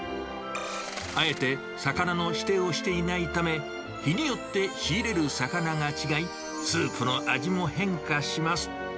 あえて魚の指定をしていないため、日によって仕入れる魚が違い、スープの味も変化します。